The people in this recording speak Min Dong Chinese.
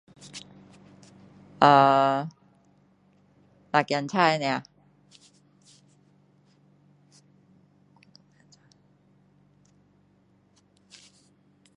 啊，拉仔菜是吗？